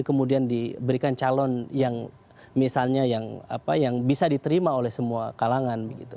kemudian diberikan calon yang misalnya yang bisa diterima oleh semua kalangan